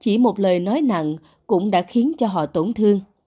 chỉ một lời nói nặng cũng đã khiến cho họ tổn thương